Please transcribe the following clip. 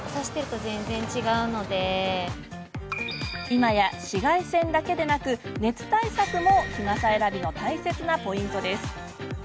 今や紫外線だけでなく熱対策も日傘選びの大切なポイント。